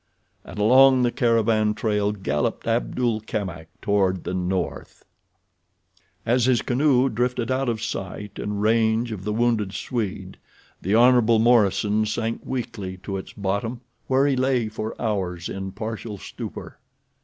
And along the caravan trail galloped Abdul Kamak toward the north. As his canoe drifted out of sight and range of the wounded Swede the Hon. Morison sank weakly to its bottom where he lay for long hours in partial stupor.